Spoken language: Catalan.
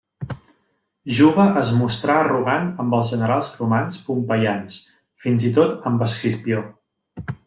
Juba es mostrà arrogant amb els generals romans pompeians, fins i tot amb Escipió.